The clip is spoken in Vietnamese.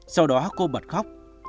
sau đó cô bật khóc